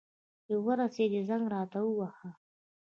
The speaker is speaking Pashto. چي ورسېدې، زنګ راته ووهه.